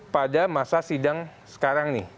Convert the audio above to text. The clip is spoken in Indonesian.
pada masa sidang sekarang nih